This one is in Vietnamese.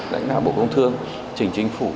đãnh đạo bộ công thương trình chính phủ